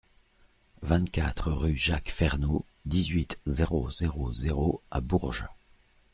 vingt-quatre rue Jacques Fernault, dix-huit, zéro zéro zéro à Bourges